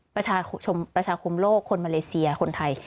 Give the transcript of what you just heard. ประชาคมโลกคนมาเลเซียคนไทย